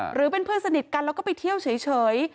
หรือเป็นเพื่อนสนิทกันแล้วก็ไปเที่ยวเฉย